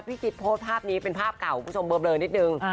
คิดโพสต์ภาพนี้เป็นภาพเก่าคุณผู้ชมเบลอนิดนึง